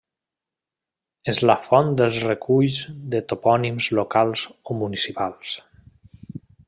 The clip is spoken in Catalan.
És la font dels reculls de topònims locals o municipals.